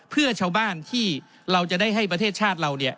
เพื่อชาวบ้านที่เราจะได้ให้ประเทศชาติเราเนี่ย